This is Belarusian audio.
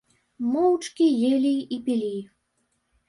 Моўчкі елі і пілі.